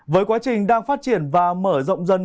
với quá trình đang phát triển và mở rộng dân